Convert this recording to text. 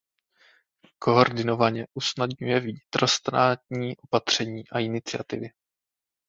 Koordinovaně usnadňuje vnitrostátní opatření a iniciativy.